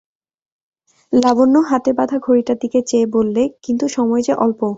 লাবণ্য হাতে-বাঁধা ঘড়িটার দিকে চেয়ে বললে, কিন্তু সময় যে অল্প।